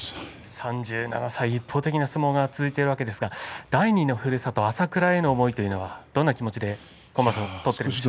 ３７歳、一方的な相撲が続いてるわけですが第２のふるさと朝倉市への思いというのはどんな気持ちで取っていますか？